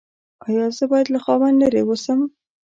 ایا زه باید له خاوند لرې اوسم؟